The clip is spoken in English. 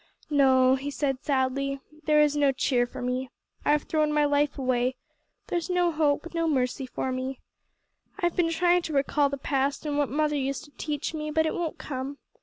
"No," he said sadly, "there is no cheer for me. I've thrown my life away. There's no hope no mercy for me. I've been trying to recall the past, an' what mother used to teach me, but it won't come.